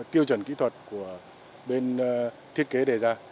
tiêu chuẩn kỹ thuật của bên thiết kế đề ra